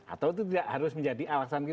atau itu tidak harus menjadi alasan kita